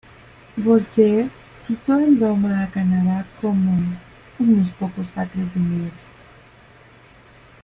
Voltaire, citó en broma a Canadá como "unos pocos acres de nieve".